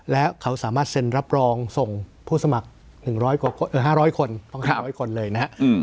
แล้วเขาสามารถเซ็นรับรองส่งผู้สมัคร๑๐๐คนต้อง๕๐๐คนเลยนะฮะ